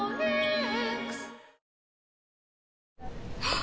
あ！